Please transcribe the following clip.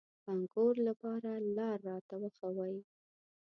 کانکور لپاره لار راته وښوئ.